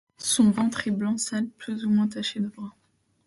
Son ventre est blanc sale plus ou moins taché de brun.